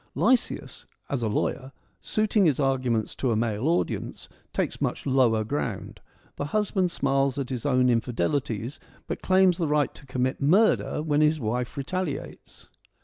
Lysias, as a lawyer, suiting his arguments to a male audience, takes much lower ground. The husband smiles at his own infidelities, but claims the right to commit murder when his wife retaliates.